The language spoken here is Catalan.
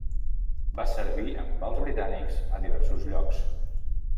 Va servir amb els britànics a diversos llocs.